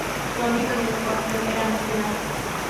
Su ámbito de actuación era nacional.